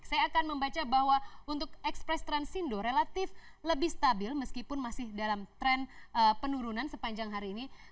saya akan membaca bahwa untuk ekspres transindo relatif lebih stabil meskipun masih dalam tren penurunan sepanjang hari ini